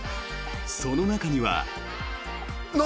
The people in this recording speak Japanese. その中には。